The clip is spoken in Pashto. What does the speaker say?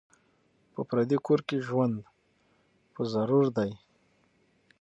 په پردي کور کي ژوند په ضرور دی